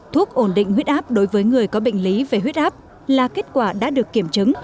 thuốc ổn định huyết áp đối với người có bệnh lý về huyết áp là kết quả đã được kiểm chứng